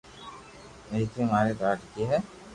ديڪري ماري لاڌڪي ھي